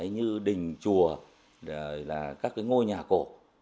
như đình chùa các ngôi nhà cổ